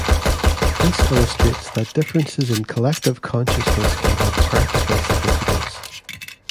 This illustrates that differences in collective consciousness can have practical significance.